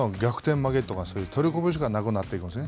負けとか取りこぼしがなくなっていくんですね。